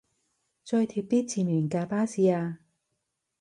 追貼啲前面架巴士吖